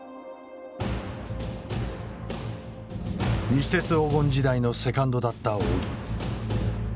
西鉄黄金時代のセカンドだった仰木。